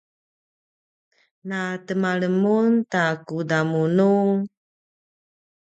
na temalem mun ta kudamunu?